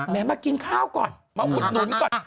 มากินข้าวก่อนมาอุดหนุนก่อน